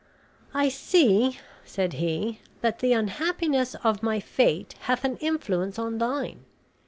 "I see," said he, "that the unhappiness of my fate hath an influence on thine.